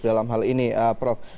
dalam hal ini prof